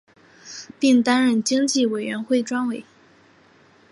并担任经济委员会专委。